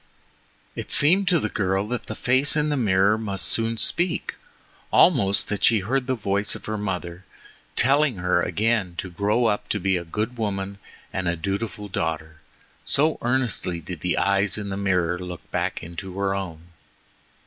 It seemed to the girl that the face in the mirror must soon speak, almost that she heard the voice of her mother telling her again to grow up a good woman and a dutiful daughter, so earnestly did the eyes in the mirror look back into her own.